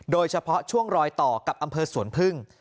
โดยเฉพาะช่วงรอยต่อกับอำเภอสวนพึ่ง